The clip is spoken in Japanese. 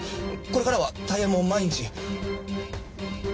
これからはタイヤも毎日！